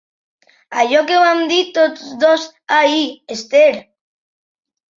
Allò que vam dir tots dos ahir, Esther!